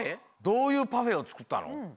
どういうパフェをつくったの？